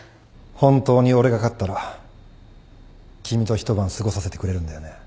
本当に俺が勝ったら君と一晩過ごさせてくれるんだよね？